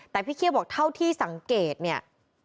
แต่พี่เคี่ยวบอกเท่าที่สังเกตเนี่ย